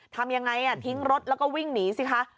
ทำยังไงทิ้งรถแล้วก็วิ่งหนีสิคะ